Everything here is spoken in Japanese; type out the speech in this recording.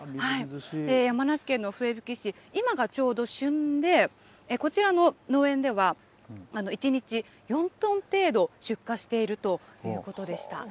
山梨県の笛吹市、今がちょうど旬で、こちらの農園では、１日４トン程度出荷しているということでした。